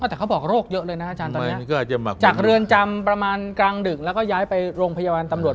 แต่เขาบอกโรคเยอะเลยนะอาจารย์ตอนนี้ก็จากเรือนจำประมาณกลางดึกแล้วก็ย้ายไปโรงพยาบาลตำรวจ